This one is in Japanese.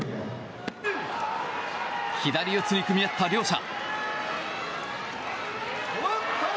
左四つに組み合った両者。